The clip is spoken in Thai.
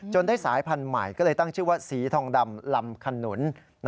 ได้สายพันธุ์ใหม่ก็เลยตั้งชื่อว่าสีทองดำลำขนุน